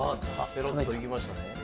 ペロッといきましたね。